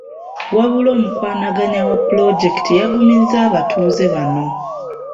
Wabula omukwanaganya wa ppuloojekiti yagumizza abatuuze bano.